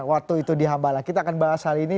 waktu itu di hambala kita akan bahas hal ini